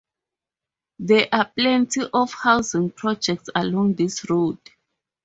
There are plenty of housing projects along this road.